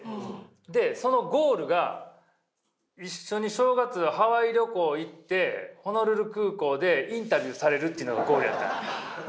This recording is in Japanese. でそのゴールが一緒に正月ハワイ旅行行ってホノルル空港でインタビューされるというのがゴールやった。